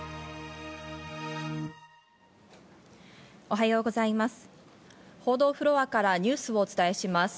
おはようございます。